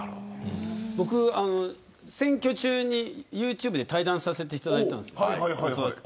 僕、選挙中にＹｏｕＴｕｂｅで対談させていただきました。